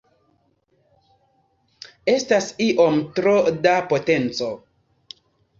Estas iom tro da potenco.